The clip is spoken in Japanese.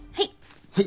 はい。